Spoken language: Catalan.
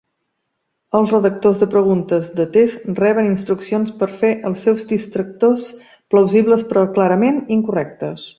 Els redactors de preguntes de test reben instruccions per fer els seus distractors plausibles però clarament incorrectes.